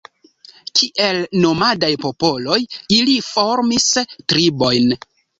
Kiel nomadaj popoloj, ili formis tribojn.